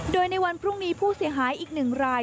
โดยในวันพรุ่งนี้ผู้เสียหายอีก๑ราย